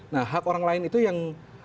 nah hak orang lain itu yang